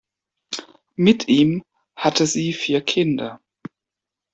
Mit ihm hatte sie vier Kinder.